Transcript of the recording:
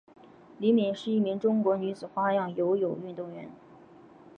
李敏是一名中国女子花样游泳运动员。